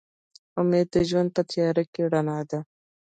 امید د ژوند په تیاره کې رڼا ده.